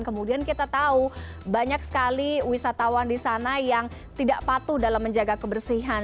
kemudian kita tahu banyak sekali wisatawan di sana yang tidak patuh dalam menjaga kebersihan